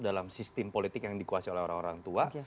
dalam sistem politik yang dikuasai oleh orang orang tua